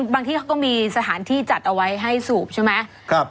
ที่เขาก็มีสถานที่จัดเอาไว้ให้สูบใช่ไหม